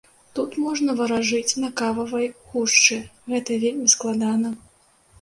Тут можна варажыць на кававай гушчы, гэта вельмі складана.